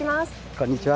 こんにちは。